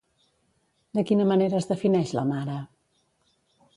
De quina manera es defineix la mare?